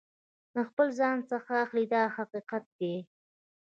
د خپل ځان څخه اخلي دا حقیقت دی.